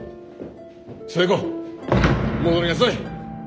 寿恵子戻りなさい！